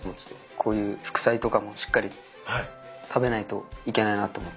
こういう副菜とかもしっかり食べないといけないなと思ってます。